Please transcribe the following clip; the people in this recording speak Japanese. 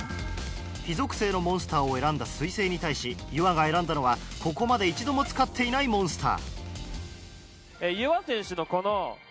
火属性のモンスターを選んだ彗星に対しゆわが選んだのはここまで一度も使っていないモンスター。